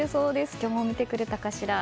今日も見てくれたかしら。